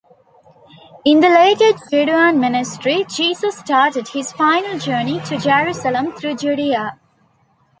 In the "Later Judean ministry" Jesus starts his final journey to Jerusalem through Judea.